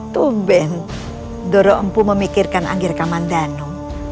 tumben doro empu memikirkan anggir kamandanu